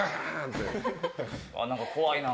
何か怖いな。